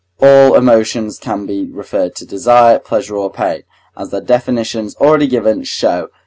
All emotions can be referred to desire, pleasure, or pain, as their definitions, already given, show.